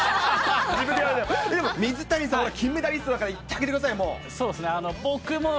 水谷さんは金メダリストだから、言ってあげてくださいよ、もう。